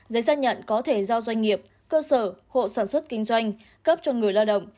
giấy xác nhận có thể do doanh nghiệp cơ sở hộ sản xuất kinh doanh cấp cho người lao động